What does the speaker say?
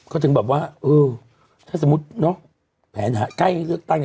ก็จึงแบบว่าถ้าสมมุติแผนแค่เลือกตั้ง